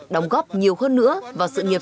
đóng góp nhiều hơn nữa vào sự nghiệp